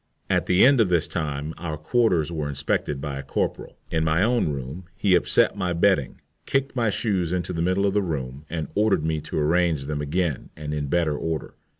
At the end of this time our quarters were inspected by a corporal. In my own room he upset my bedding, kicked my shoes into the middle of the room, and ordered me to arrange them again and in better order.